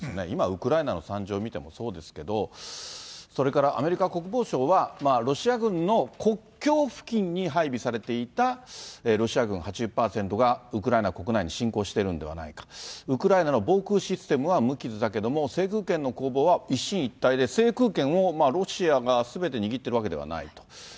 今、ウクライナの惨状を見てもそうですけど、それからアメリカ国防省は、ロシア軍の国境付近に配備されていたロシア軍８０％がウクライナ国内に侵攻してるんではないか、ウクライナの防空システムは無傷だけれども、制空権の攻防は一進一退で、制空権をロシアがすべて握ってるわけではないと。